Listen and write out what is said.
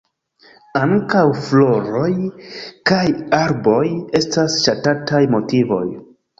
Ankaŭ floroj kaj arboj estas ŝatataj motivoj.